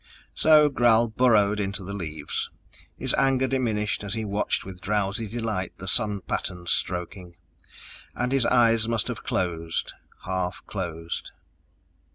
So Gral burrowed into the leaves, his anger diminished as he watched with drowsy delight the sun patterns stroking. And his eyes must have closed, half closed....